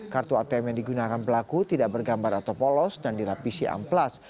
kartu atm yang digunakan pelaku tidak bergambar atau polos dan dirapisi amplas